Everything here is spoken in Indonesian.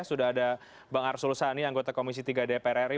sudah ada bang arsul sani anggota komisi tiga dpr ri